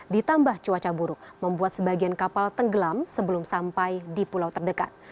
ditambah cuaca buruk membuat sebagian kapal tenggelam sebelum sampai di pulau terdekat